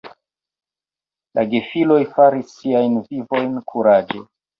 La gefiloj faris siajn vivojn kuraĝe.